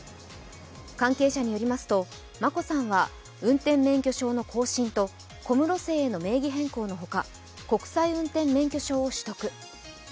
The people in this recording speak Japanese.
関係者によりますと、眞子さんは運転免許証の更新と小室姓への名義変更の他国際運転免許証を取得。